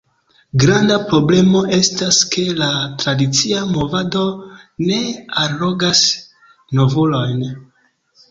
Granda problemo estas ke la tradicia movado ne allogas novulojn.